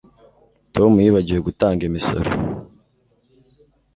Tom yibagiwe gutanga imisoro